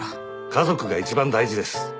家族が一番大事です。